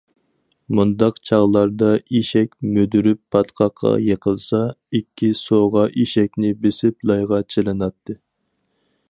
مۇنداق چاغلاردا ئېشەك مۈدۈرۈپ پاتقاققا يىقىلسا، ئىككى سوغا ئېشەكنى بېسىپ لايغا چىلىناتتى.